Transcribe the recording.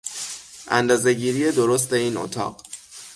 اندازهگیری درست این اتاق